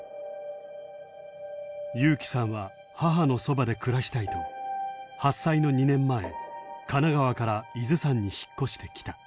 友紀さんは母のそばで暮らしたいと発災の２年前神奈川から伊豆山に引っ越してきた。